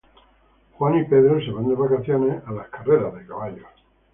Hoover y Tolson se van de vacaciones a las carreras de caballos.